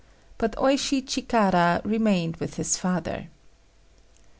But Oishi Chikara remained with his father.